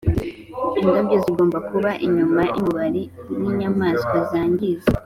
indabyo zigomba kuba inyuma yumubari nkinyamaswa zangiza;